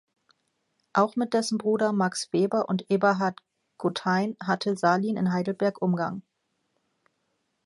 Auch mit dessen Bruder Max Weber und Eberhard Gothein hatte Salin in Heidelberg Umgang.